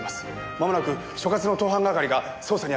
まもなく所轄の盗犯係が捜査に当たります。